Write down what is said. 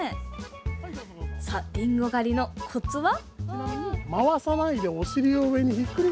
りんご狩りのコツは？